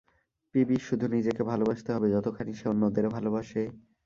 পিবির শুধু নিজেকে ভালোবাসতে হবে যতখানি সে অন্যদের ভালোবাসে।